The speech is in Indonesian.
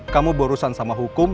kamu borusan sama hukum